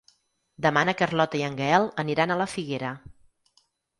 Demà na Carlota i en Gaël aniran a la Figuera.